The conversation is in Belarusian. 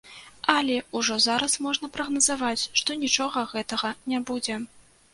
Але ўжо зараз можна прагназаваць што нічога гэтага не будзе.